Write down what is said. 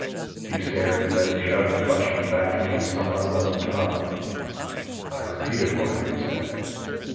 "He stared, and then shouted a question back to me in some unknown tongue. "I repeated what I had said.